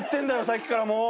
さっきからもう！